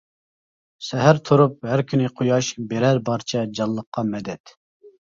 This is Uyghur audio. سەھەر تۇرۇپ ھەر كۈنى قۇياش، بېرەر بارچە جانلىققا مەدەت.